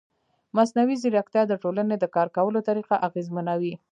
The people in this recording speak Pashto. مصنوعي ځیرکتیا د ټولنې د کار کولو طریقه اغېزمنوي.